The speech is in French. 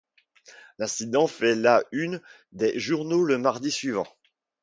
L'incident fait la une des journaux le mardi suivant.